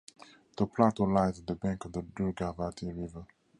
The plateau lies at the bank of the Durgavati River.